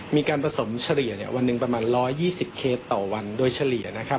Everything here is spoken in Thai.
มีการผสมเฉลี่ยวันหนึ่งประมาณ๑๒๐เคสต่อวันโดยเฉลี่ยนะครับ